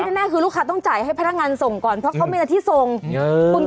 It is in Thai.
แน่คือลูกค้าต้องจ่ายให้พนักงานส่งก่อนเพราะเขามีหน้าที่ส่งคุณ